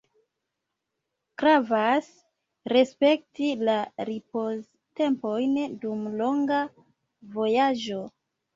Gravas respekti la ripoztempojn dum longa vojaĝo.